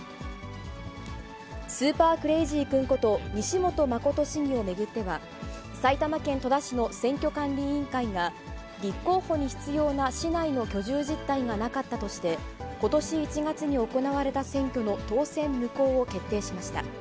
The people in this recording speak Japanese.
スーパークレイジー君こと、西本誠市議を巡っては、埼玉県戸田市の選挙管理委員会が、立候補に必要な市内の居住実態がなかったとして、ことし１月に行われた選挙の当選無効を決定しました。